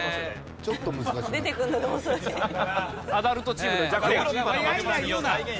ちょっと難しい。